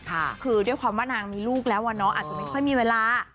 คือด้วยความว่านางมีลูกแล้วอ่ะน้องอาจจะไม่ค่อยมีเวลา